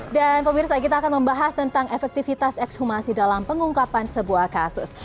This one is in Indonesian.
dan pemirsa kita akan membahas tentang efektivitas ekshumasi dalam pengungkapan sebuah kasus